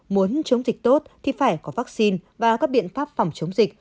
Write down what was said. muốn chống dịch tốt thì phải có vaccine và các biện pháp phòng chống dịch